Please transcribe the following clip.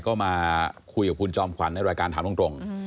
ก็มาคุยกับคุณจอมขวัญในรายการถามตรง